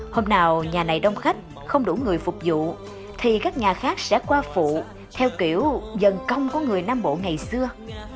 hôm nào nhà này đông khách không đủ người phục vụ thì các nhà khác sẽ qua phụ theo kiểu dân công của người nam bộ ngày xưa